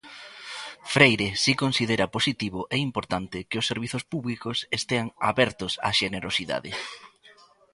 Freire si considera positivo e importante que os servizos públicos estean abertos á xenerosidade.